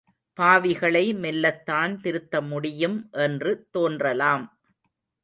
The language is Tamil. பாவிகளை மெல்லத்தான் திருத்த முடியும் என்று தோன்றலாம்.